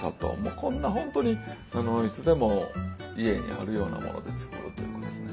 こんな本当にいつでも家にあるようなもので作るというものですね。